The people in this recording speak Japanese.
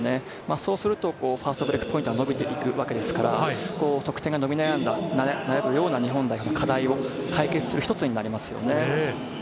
そうするとファストブレイクポイントが伸びていくわけですから、得点が伸び悩んだ日本代表の課題を解決する一つになりますよね。